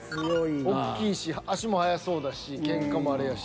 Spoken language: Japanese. おっきいし足も速そうだし喧嘩もあれやし。